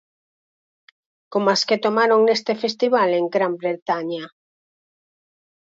Como as que tomaron neste festival en Gran Bretaña.